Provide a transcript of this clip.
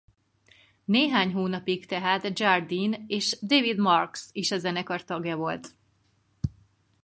Néhány hónapig tehát Jardine és David Marks is a zenekar tagja volt.